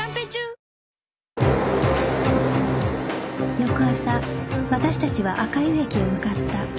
翌朝私達は赤湯駅へ向かった